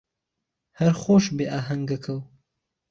ههر خۆش بێ ئاههنگهکهو